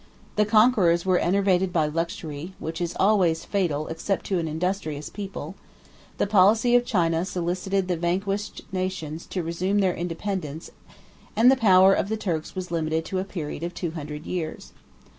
The conquerors were enervated by luxury, which is always fatal except to an industrious people; the policy of China solicited the vanquished nations to resume their independence and the power of the Turks was limited to a period of two hundred years.